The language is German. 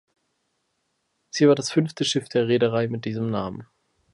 Sie war das fünfte Schiff der Reederei mit diesem Namen.